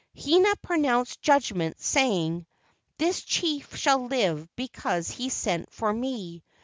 Hina pronounced judgment, saying: "This chief shall live because he sent for me.